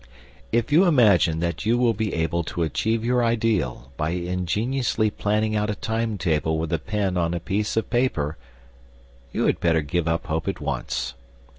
If you imagine that you will be able to achieve your ideal by ingeniously planning out a time table with a pen on a piece of paper, you had better give up hope at once.